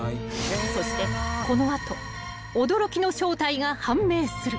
［そしてこの後驚きの正体が判明する］